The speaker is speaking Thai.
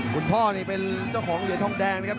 คุณพ่อนี่เป็นเจ้าของเหรียญทองแดงนะครับ